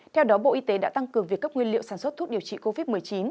theo đó bộ y tế đã tăng cường việc cấp nguyên liệu sản xuất thuốc điều trị covid một mươi chín